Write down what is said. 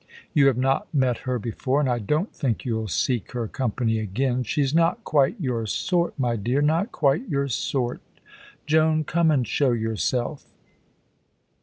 You have not met her before, and I don't think you'll seek her company again. She's not quite your sort, my dear, not quite your sort. Joan, come and show yourself."